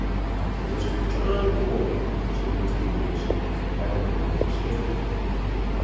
"Mr John Gordon," said Mr Whittlestaff, bowing very stiffly.